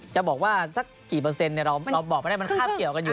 จะบอกว่าสักกี่เปอร์เซ็นต์เราบอกไม่ได้มันคาบเกี่ยวกันอยู่